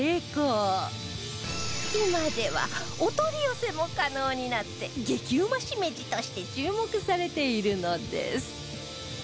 今ではお取り寄せも可能になって激うまシメジとして注目されているのです